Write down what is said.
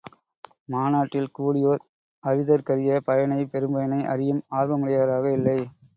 மாநாட்டில் கூடியோர் அறிதற்கரிய பயனை பெரும்பயனை அறியும் ஆர்வமுடையராக இல்லை.